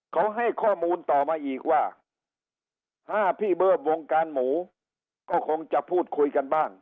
เขาให้ข้อมูลต่อมาอีกว่า๕พี่เบิ้มวงการหมูก็คงจะพูดคุยกันบ้าง